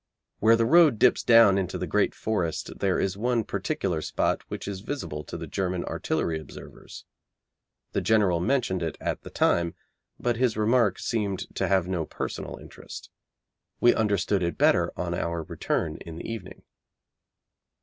Where the road dips down into the great forest there is one particular spot which is visible to the German artillery observers. The General mentioned it at the time, but his remark seemed to have no personal interest. We understood it better on our return in the evening.